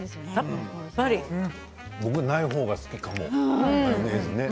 僕は、ない方が好きかもマヨネーズね。